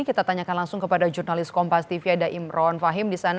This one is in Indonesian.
kita tanyakan langsung kepada jurnalis kompas tv ada imron fahim di sana